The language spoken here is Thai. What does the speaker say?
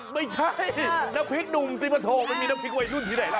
ไม่ใช่น้ำพริกหนุ่มสิมาโถมันมีน้ำพริกวัยรุ่นที่ไหนล่ะ